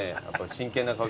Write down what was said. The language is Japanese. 真剣な顔。